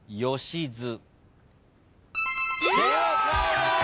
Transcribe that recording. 正解です。